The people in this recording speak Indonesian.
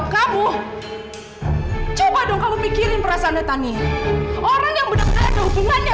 sampai jumpa di video selanjutnya